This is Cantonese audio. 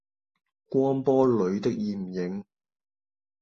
波光裡的艷影